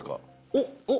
おっおっ！